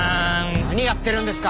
何やってるんですか！